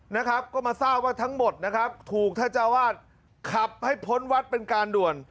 นะครับก็มาทราบว่าทั้งหมดนะครับถูกท่านเจ้าวาดขับให้พ้นวัดเป็นการด่วน